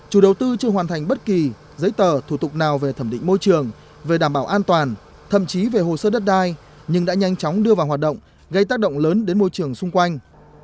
chủ đầu tư chưa hoàn thành bất kỳ giấy tờ thủ tục nào về thẩm định môi trường về đảm bảo an toàn thậm chí về hồ sơ đất đai nhưng đã nhanh chóng đưa vào hoạt động gây tác động lớn đến môi trường xung quanh